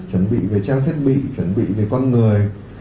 chuẩn bị về trang thiết bị chuẩn bị về con người